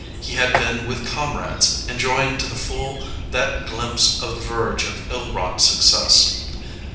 He had been with comrades, enjoying to the full that glimpse of the verge of ill wrought success.